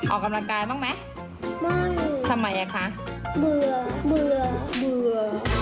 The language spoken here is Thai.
ออกกำลังกายบ้างไหมบ้างทำไมอ่ะคะเบื่อเบื่อเบื่อ